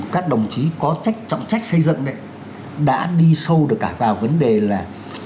các đồng chí có trọng trách xây dựng đã đi sâu được cả vào vấn đề là